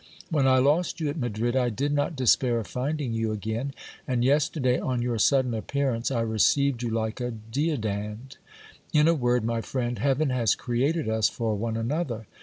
When I lost you at Madrid, I did not despair of finding you again ; and yesterday, on your sudden appearance, I received you like a deodand. In a word, my friend, heaven has created us for one another.